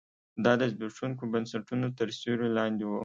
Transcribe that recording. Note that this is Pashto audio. دا د زبېښونکو بنسټونو تر سیوري لاندې و.